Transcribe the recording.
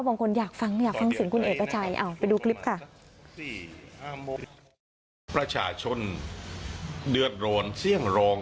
บางคนอยากฟังอยากฟังสิ่งคุณเอ็ดประชาย